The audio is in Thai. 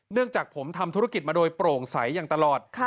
จากผมทำธุรกิจมาโดยโปร่งใสอย่างตลอด